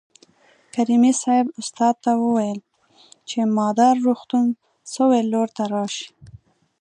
کریمي صیب استاد ته وویل چې مادر روغتون سویل لور ته راشئ.